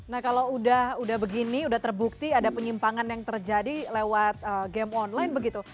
nah kalau udah begini udah terbukti ada penyimpangan yang terjadi lewat game online begitu